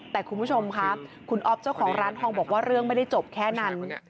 แต่คุณผู้ชมค่ะคุณอ๊อฟเจ้าของร้านทองบอกว่าเรื่องไม่ได้จบแค่นั้น